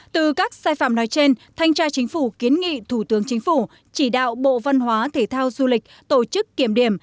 từ các sai phạm nói trên thanh tra chính phủ kiến nghị thủ tướng chính phủ chỉ đạo bộ văn hóa thể thao du lịch tổ chức kiểm điểm